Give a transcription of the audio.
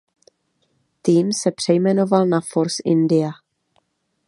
Tým se přejmenoval na Force India.